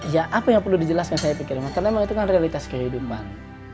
ya apa yang perlu dijelaskan saya pikir karena memang itu kan realitas kehidupan